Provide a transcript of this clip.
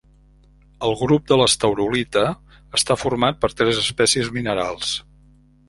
El grup de l'estaurolita està format per tres espècies minerals.